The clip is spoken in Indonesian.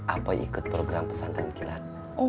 apoy ikut program pesantren kilat